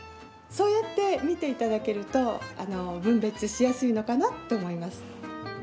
そうやって見ていただけると分別しやすいのかなと思います。